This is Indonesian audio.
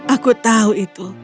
aku tahu itu